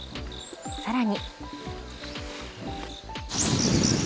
さらに。